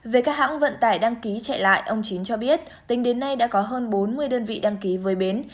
về các hãng vận tải đăng ký chạy lại ông chiến cho biết tỉnh đến nay đã có hơn bốn mươi đơn vị đăng ký với biến